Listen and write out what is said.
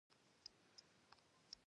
احمد ډېر علي ته ورته دی.